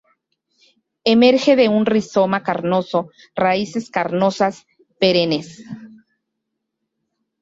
Emerge de un rizoma carnoso, raíces carnosas, perennes.